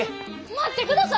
待ってください！